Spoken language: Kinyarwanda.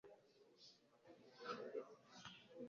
Ntabwo maze igihe kinini njya i Boston.